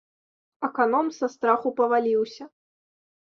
Аканом са страху паваліўся.